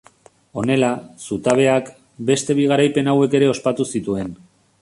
Honela, zutabeak, beste bi garaipen hauek ere ospatu zituen.